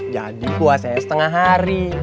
jadi puasanya setengah hari